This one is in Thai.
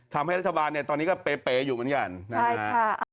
ทำให้รัฐบาลเนี่ยตอนนี้ก็เป๋อยู่เหมือนกันนะฮะ